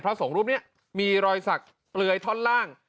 เพราะสองรูปนี้มีรอยสักเปลือยท่อนล่าง